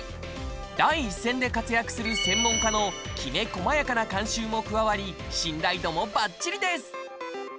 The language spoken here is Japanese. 第一線で活躍する専門医のきめ細やかな監修も加わり信頼度もバッチリです。